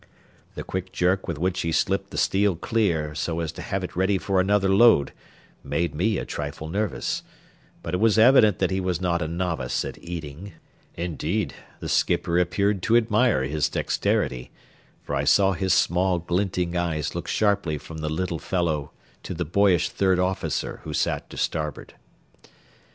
The quick jerk with which he slipped the steel clear so as to have it ready for another load made me a trifle nervous; but it was evident that he was not a novice at eating. Indeed, the skipper appeared to admire his dexterity, for I saw his small, glinting eyes look sharply from the little fellow to the boyish third officer who sat to starboard.